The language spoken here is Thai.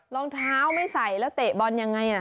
รองเท้าไม่ใส่แล้วเตะบอลยังไง